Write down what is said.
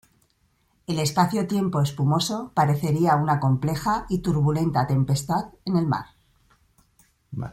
El espacio-tiempo espumoso parecería una compleja y turbulenta tempestad en el mar.